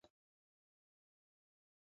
ایا تاسو د خپلې ګټې په فکر کې یاست.